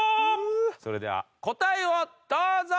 それでは答えをどうぞ！